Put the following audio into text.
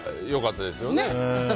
よかったですよね。